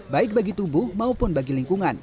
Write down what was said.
baik bagi tubuh maupun bagi lingkungan